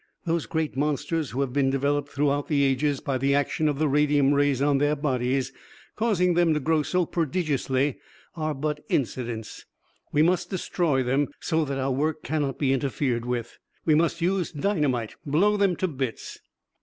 Those great monsters who have been developed throughout the ages by the action of the radium rays on their bodies, causing them to grow so prodigiously, are but incidents. We must destroy them, so that our work cannot be interfered with. We must use dynamite, blow them to bits.